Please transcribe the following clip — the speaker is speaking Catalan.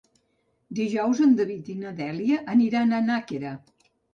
Dijous en David i na Dèlia aniran a Nàquera.